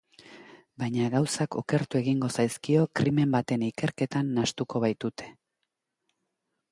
Baina gauzak okertu egingo zaizkio krimen baten ikerketan nahastuko baitute.